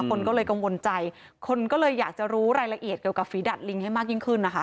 คนก็เลยกังวลใจคนก็เลยอยากจะรู้รายละเอียดเกี่ยวกับฝีดัดลิงให้มากยิ่งขึ้นนะคะ